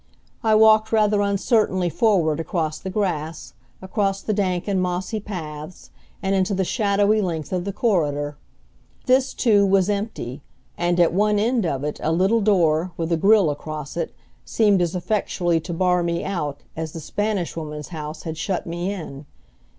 I walked rather uncertainly forward across the grass, across the dank and mossy paths, and into the shadowy length of the corridor. This, too, was empty, and at one end of it a little door, with a grill across it, seemed as effectually to bar me out as the Spanish Woman's house had shut me in.